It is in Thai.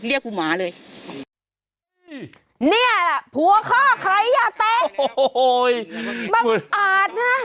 เรียกกูหมาเลยเนี่ยผัวข้าวใครอ่ะแต๊ะโอ้โหมักอาจนะ